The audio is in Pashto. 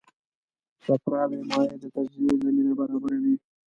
صفراوي مایع د تجزیې زمینه برابروي.